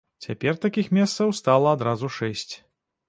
Цяпер такіх месцаў стала адразу шэсць.